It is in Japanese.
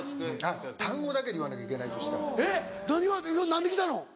何で来たの？